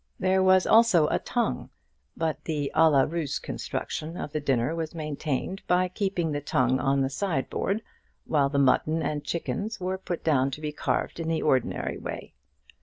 There was also a tongue; but the à la Russe construction of the dinner was maintained by keeping the tongue on the sideboard, while the mutton and chickens were put down to be carved in the ordinary way.